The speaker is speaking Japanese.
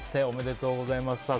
おめでとうございます。